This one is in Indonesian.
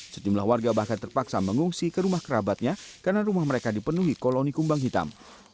sejumlah warga bahkan terpaksa mengungsi ke rumah kerabatnya karena rumah mereka dipenuhi koloni kumbang hitam